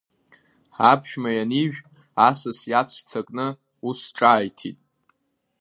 Аԥшәма ианижә, асас иаҵәца кны ус ҿааиҭит…